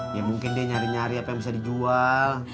ya mungkin dia nyari nyari apa yang bisa dijual